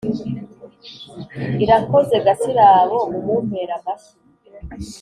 irakoze gasirabo, mumumpere amashyi.